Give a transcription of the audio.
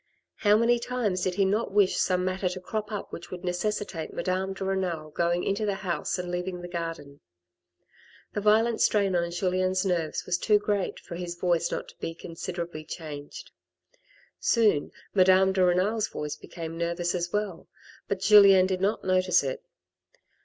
How many times did he not wish some matter to crop up which would necessitate Madame de Renal going into the house and leaving the garden ! The violent strain on Julien's nerves was too great for his voice not to be considers ably changed ; soon Madame de Renal's voice became nervoua as well, but Julien did not notice it.